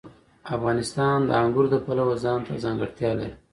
افغانستان د انګور د پلوه ځانته ځانګړتیا لري.